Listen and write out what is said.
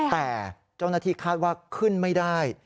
แต่เจ้าหน้าที่คาดว่าขึ้นไม่ได้